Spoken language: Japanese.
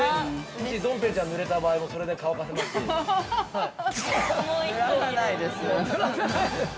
ドンペンちゃんが濡れた場合も、それで乾かせますし。